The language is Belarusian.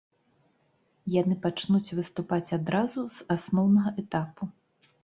Яны пачнуць выступаць адразу з асноўнага этапу.